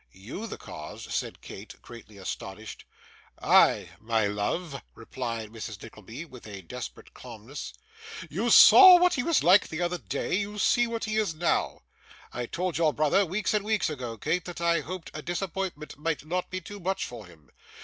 'YOU the cause!' said Kate, greatly astonished. 'I, my love,' replied Mrs. Nickleby, with a desperate calmness. 'You saw what he was the other day; you see what he is now. I told your brother, weeks and weeks ago, Kate, that I hoped a disappointment might not be too much for him.